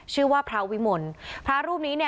ชื่อว่าพระวิมลพระรูปนี้เนี่ย